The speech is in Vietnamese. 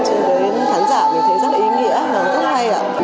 cho đến khán giả mình thấy rất là ý nghĩa và rất hay ạ